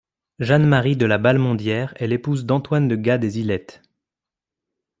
Jeanne Marie de la Balmondière est l'épouse d'Antoine de Guat des Ilettes.